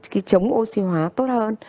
cái chống oxy hóa tốt hơn